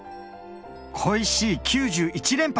恋しい９１連発。